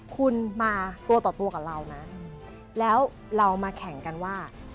คุณมาตัวต่อตัวกับเรานะแล้วเรามาแข่งกันว่า